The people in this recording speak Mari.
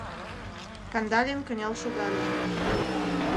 — Кандалин кынел шогале.